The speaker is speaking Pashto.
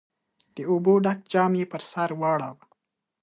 د اوبو ډک جام يې پر سر واړاوه.